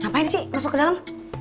ngapain sih masuk ke dalam